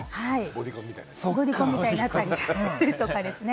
ボディコンみたいになったりとかですね。